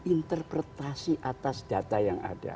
interpretasi atas data yang ada